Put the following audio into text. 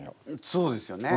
そうですよね。